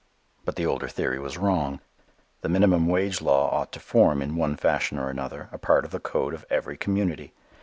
But the older theory was wrong. The minimum wage law ought to form, in one fashion or another, a part of the code of every community.